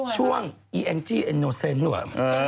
ช่วงอี่แอ็งจี้แอฟโนเซ็นต์ด้วย